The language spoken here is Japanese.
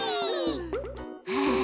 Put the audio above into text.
はあ。